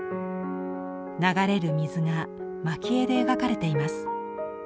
流れる水が蒔絵で描かれています。